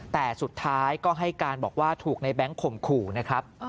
แต่สุดท้ายก็ให้การบอกว่าถูกในแบงค์ข่มขู่นะครับ